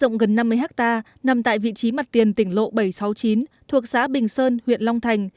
khu đất rộng gần năm mươi ha nằm tại vị trí mặt tiền tỉnh lộ bảy trăm sáu mươi chín thuộc xã bình sơn huyện long thành